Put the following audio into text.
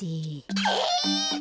えっ！？